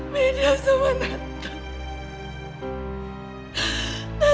beda sama tante